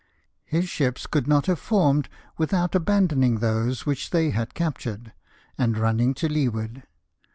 His ships could not have formed without abandoning those which they had captured, and running to leeward.